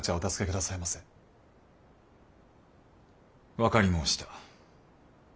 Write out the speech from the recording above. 分かり申した。